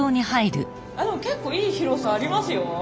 でも結構いい広さありますよ。